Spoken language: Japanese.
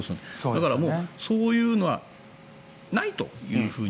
だからそういうのはもうないというふうに。